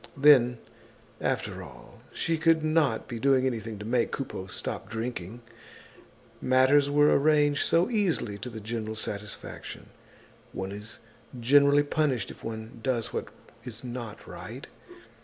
Then, after all, she could not be doing anything to make Coupeau stop drinking; matters were arranged so easily to the general satisfaction. One is generally punished if one does what is not right.